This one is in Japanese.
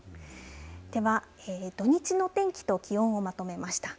では、土日の天気と気温をまとめました。